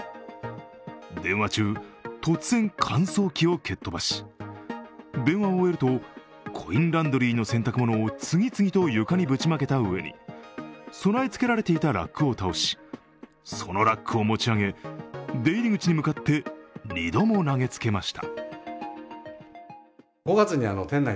電話中、突然乾燥機を蹴っ飛ばし電話を終えるとコインランドリーの洗濯物を次々と床にぶちまけたうえに備え付けられていたラックを倒し、そのラックを持ち上げ出入り口に向かって２度も投げつけました。